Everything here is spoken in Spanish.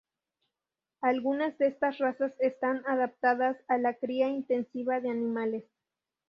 Algunas de estas razas están adaptadas a la cría intensiva de animales.